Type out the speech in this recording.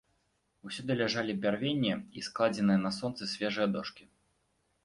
Усюды ляжалі бярвенне і складзеныя на сонцы свежыя дошкі.